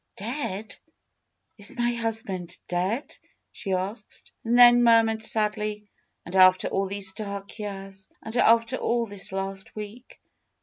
'^Dead? Is my husband dead?" she asked. And then murmured sadly: '^And after all these dark years ! And after all this last week!"